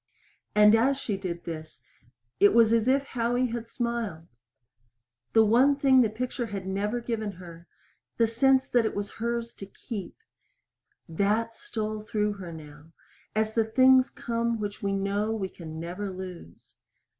And as she did this it was as if Howie had smiled. The one thing the picture had never given her the sense that it was hers to keep that stole through her now as the things come which we know we can never lose.